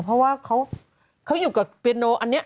เพราะว่าเขาอยู่กับเปียโนอันนี้